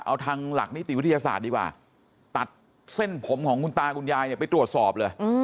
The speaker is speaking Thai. เอาทางหลักนิติวิทยาศาสตร์ดีกว่าตัดเส้นผมของคุณตาคุณยายเนี่ยไปตรวจสอบเลย